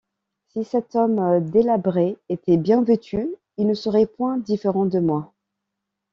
Si cet homme délabré était bien vêtu, il ne serait point différent de moi.